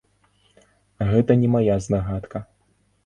Гэта не мая здагадка.